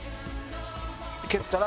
蹴ったら。